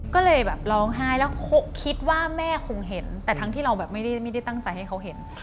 ก็เลยแบบร้องไห้แล้วคิดว่าแม่คงเห็นแต่ทั้งที่เราแบบไม่ได้ตั้งใจให้เขาเห็น